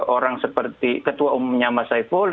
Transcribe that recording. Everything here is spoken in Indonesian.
orang seperti ketua umumnya mas saiful